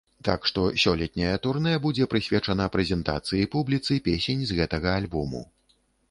Так што сёлетняе турнэ будзе прысвечана прэзентацыі публіцы песень з гэтага альбому.